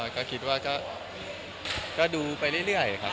ก็คิดว่าก็ดูไปเรื่อยครับ